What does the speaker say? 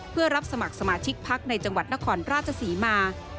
เพื่อรับสมัครสมาชิกพักในจังหวัดนครราชศรีมา